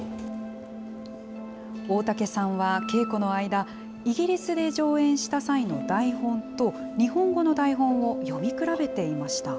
大竹さんは稽古の間、イギリスで上演した際の台本と、日本語の台本を読み比べていました。